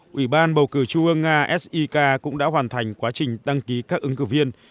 quỹ ban bầu cử trung ương nga sik cũng đã hoàn thành quá trình đăng ký các ứng cử viên